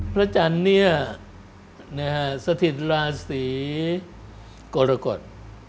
พระจันทร์เนี่ยนะฮะสถิตราศีกรกฎ